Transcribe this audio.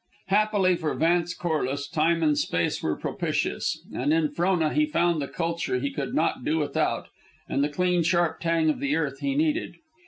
Happily for Vance Corliss, time and space were propitious, and in Frona he found the culture he could not do without, and the clean sharp tang of the earth he needed.